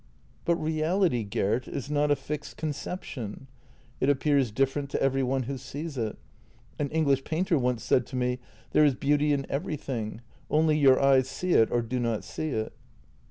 " But reality, Gert, is not a fixed conception. It appears different to every one who sees it. An English painter once said to me :' There is beauty in everything ; only your eyes see it or do not see it.